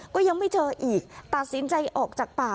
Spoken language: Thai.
ก็ยังไม่เจออีกตัดสินใจออกจากป่า